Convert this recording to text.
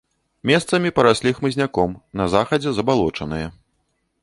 Месцамі параслі хмызняком, на захадзе забалочаныя.